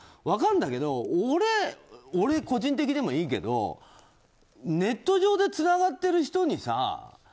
分かるんだけど俺、個人的でもいいけどネット上でつながってる人にさ